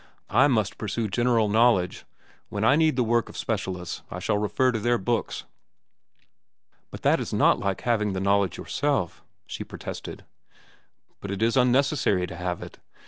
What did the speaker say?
I must pursue general knowledge. When I need the work of specialists, I shall refer to their books." "But that is not like having the knowledge yourself," she protested. "But it is unnecessary to have it.